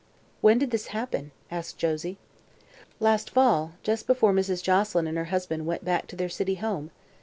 "When did this happen?" asked Josie. "Last fall, just before Mrs. Joselyn and her husband went back to their city home.